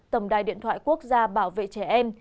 tổng đài điện thoại quốc gia bảo vệ trẻ em